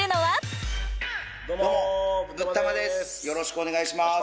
よろしくお願いします